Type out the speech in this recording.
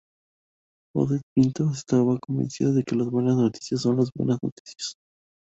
Odette Pinto estaba convencida de que las buenas noticias son, las buenas noticias.